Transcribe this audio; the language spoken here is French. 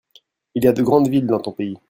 Il y a de grandes villes dans ton pays ?